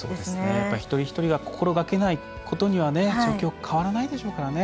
一人一人が心がけないことには状況は変わらないでしょうからね。